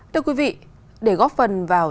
đưa quý vị để góp phần vào